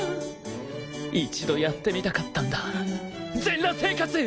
一度やってみたかったんだ全裸生活！